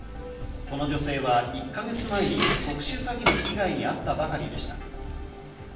この女性は１か月前に特殊詐欺の被害に遭ったばかりでした。